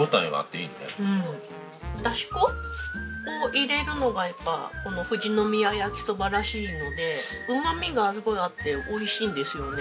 だし粉を入れるのが富士宮やきそばらしいのでうまみがすごいあって美味しいんですよね。